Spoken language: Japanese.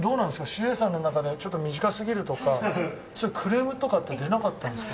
ＣＡさんの中でちょっと短すぎるとかそういうクレームとかって出なかったんですか？